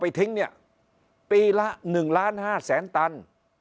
ทิ้งเนี่ยปีละ๑ล้าน๕แสนตัน